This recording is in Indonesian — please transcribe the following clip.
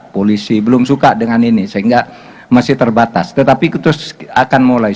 polisi belum suka dengan ini sehingga masih terbatas tetapi terus akan mulai